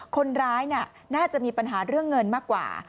คนร้ายน่าจะมีปัญหาเรื่องเงินมากกว่า